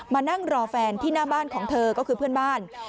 มานั่งรอแฟนที่หน้าบ้านของเธอก็คือเพื่อนบ้าน